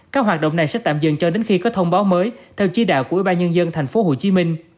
các hoạt động này sẽ tạm dừng cho đến khi có thông báo mới theo chỉ đạo của ủy ban nhân dân tp hcm